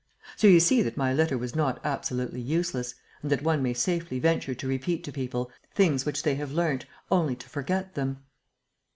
So you see that my letter was not absolutely useless and that one may safely venture to repeat to people things which they have learnt only to forget them."